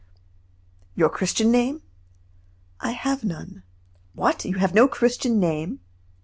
"Your Christian name?" "I have none." "What, have you no Christian name?"